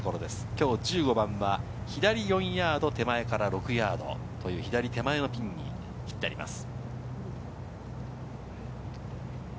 きょう１５番は左４ヤード、手前から６ヤード、左手前のピンに切ってあります。